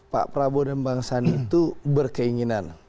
pak prabowo dan bang sandi itu berkeinginan